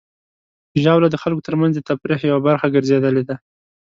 ژاوله د خلکو ترمنځ د تفریح یوه برخه ګرځېدلې ده.